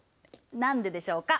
何ででしょうか？